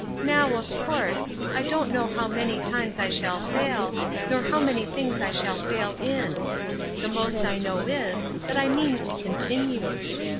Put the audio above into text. Now, of course, I don't know how many times I shall fail, nor how many things I shall fail in. The most I know is, that I mean to 'continue.'